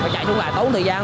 chạy xuống lại tốn thời gian